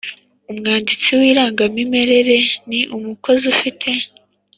Umwanditsi w Irangamimerere ni umukozi ufite